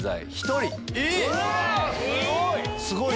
すごい！